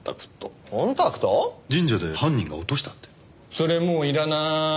それもういらない。